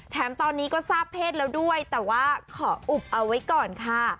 แถมตอนนี้ก็ทราบเพศแล้วด้วยแต่ว่าขออุบเอาไว้ก่อนค่ะ